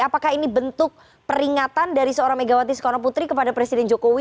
apakah ini bentuk peringatan dari seorang megawati soekarno putri kepada presiden jokowi